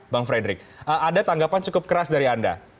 bang frederick ada tanggapan cukup keras dari anda